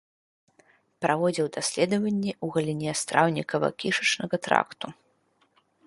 Праводзіў даследаванні ў галіне страўнікава-кішачнага тракту.